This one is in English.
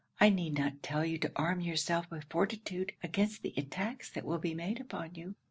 I need not tell you to arm yourself with fortitude against the attacks that will be made upon you.